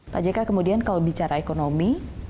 pak jk kemudian kalau bicara ekonomi